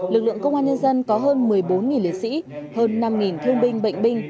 lực lượng công an nhân dân có hơn một mươi bốn liệt sĩ hơn năm thương binh bệnh binh